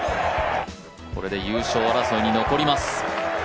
これで優勝争いに残ります。